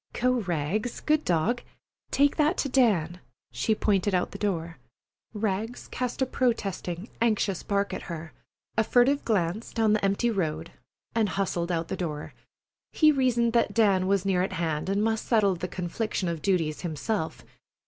"Go, Rags, good dog. Take that to Dan." She pointed out the door. Rags cast a protesting, anxious bark at her, a furtive glance down the empty road, and hustled out the door. He reasoned that Dan was near at hand and must settle the confliction of duties himself.